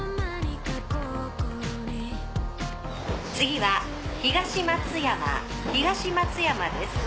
次は東松山東松山です。